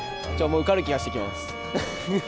受かる気がしてきます。